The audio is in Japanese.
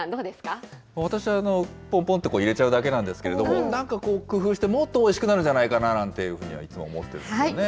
私はぽんぽんって入れちゃうだけなんですけども、なんかこう、工夫して、もっとおいしくなるんじゃないかななんて、いつも思ってるんですよね。